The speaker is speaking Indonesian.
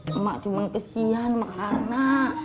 emak cuman kesian mak karena